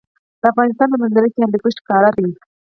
د افغانستان په منظره کې هندوکش ښکاره ده.